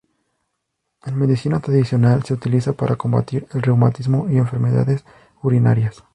En medicina tradicional se utiliza para combatir el reumatismo y enfermedades urinarias.